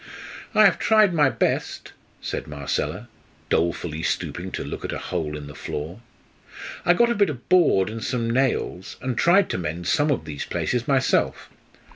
"I have tried my best," said Marcella, dolefully, stooping to look at a hole in the floor. "I got a bit of board and some nails, and tried to mend some of these places myself.